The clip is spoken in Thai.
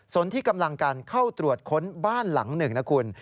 ส่วนที่กำลังการเข้าตรวจค้นบ้านหลังหนึ่งนะคุณ